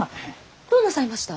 どうなさいました？